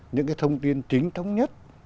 những thông tin chính thống nhất